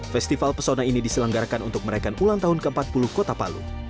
festival pesona ini diselenggarakan untuk merayakan ulang tahun ke empat puluh kota palu